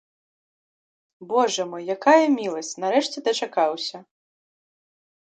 Божа мой, якая міласць, нарэшце дачакаўся!